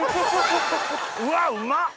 うわうまっ！